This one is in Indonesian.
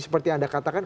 seperti yang anda katakan